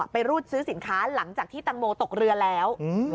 รูดซื้อสินค้าหลังจากที่ตังโมตกเรือแล้ว